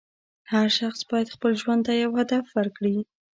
هر شخص باید خپل ژوند ته یو هدف ورکړي.